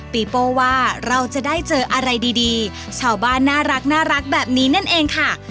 โป้ว่าเราจะได้เจออะไรดีชาวบ้านน่ารักแบบนี้นั่นเองค่ะ